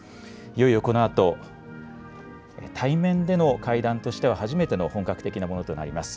いよいよこのあと、対面での会談としては初めての本格的なものとなります